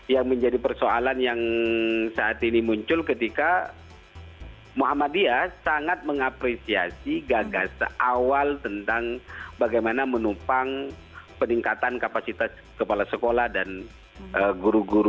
yang menjadi persoalan yang saat ini muncul ketika muhammadiyah sangat mengapresiasi gagasan awal tentang bagaimana menupang peningkatan kapasitas kepala sekolah dan guru guru